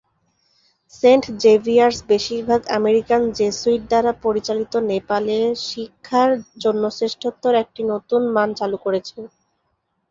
Saint Xavier's, বেশিরভাগ American Jesuit দ্বারা পরিচালিত, নেপালে শিক্ষার জন্য শ্রেষ্ঠত্বের একটি নতুন মান চালু করেছে।